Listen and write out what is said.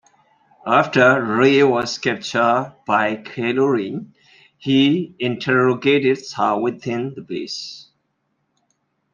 After Rey was captured by Kylo Ren, he interrogated her within the base.